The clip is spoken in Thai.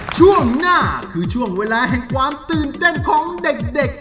ช่วงหน้าคือช่วงเวลาแห่งความตื่นเต้นของเด็ก